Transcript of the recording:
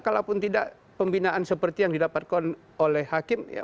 kalaupun tidak pembinaan seperti yang didapatkan oleh hakim ya